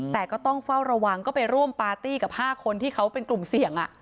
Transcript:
แต่ก็ต้องเฝ้าระวังก็ไปร่วมปาร์ตี้กับ๕คนที่เขาเป็นกลุ่มเสี่ยง